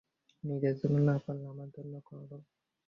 নিজের জন্য না পারলে, আমার জন্য কর।